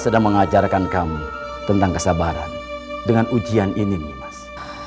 sedang mengajarkan kamu tentang kesabaran dengan ujian ini nih mas